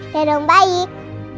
ya udah om baik